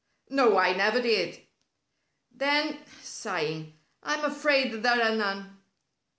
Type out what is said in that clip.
"No, I never did." "Then," sighing, "I'm afraid there are none."